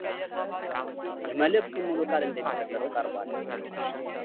የመልዕክቱ ሙሉ ቃል እንደሚከተለው ቀርቧል